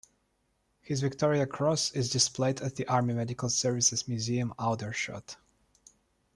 His Victoria Cross is displayed at the Army Medical Services Museum, Aldershot.